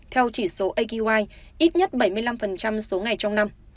theo chỉ số aqi ít nhất bảy mươi năm số ngày trong năm